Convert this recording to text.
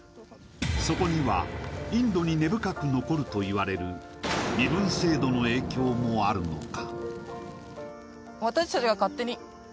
そこにはインドに根深く残ると思われる身分制度の影響もあるのか？